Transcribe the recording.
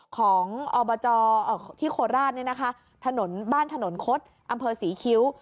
ของอบจที่โคราชน์บ้านถนนคดอำเภอศรีคิ้ว